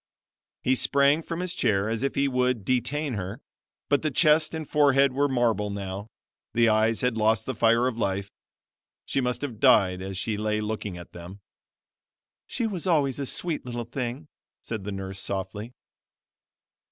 He sprang from his chair as if he would detain her; but the chest and forehead were marble now, the eyes had lost the fire of life; she must have died as she lay looking at them. "She was always a sweet little thing," said the nurse softly.